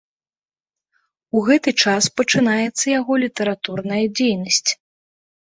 У гэты час пачынаецца яго літаратурная дзейнасць.